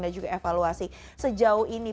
dan juga evaluasi sejauh ini